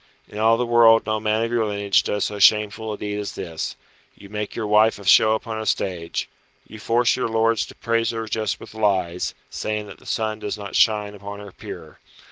In all the world no man of your lineage does so shameful a deed as this. You make your wife a show upon a stage. You force your lords to praise her just with lies, saying that the sun does not shine upon her peer.